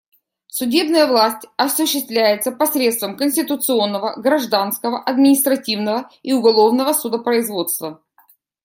Судебная власть осуществляется посредством конституционного, гражданского, административного и уголовного судопроизводства.